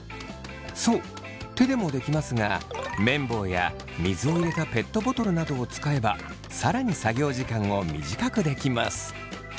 そう手でもできますがめん棒や水を入れたペットボトルなどを使えば更に作業時間を短くできます。